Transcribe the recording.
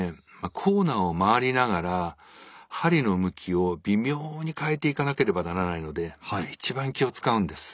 コーナーを回りながら針の向きを微妙に変えていかなければならないので一番気を遣うんです。